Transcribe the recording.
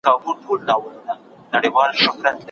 اسلام د مرييانو سيستم دوام نه غواړي.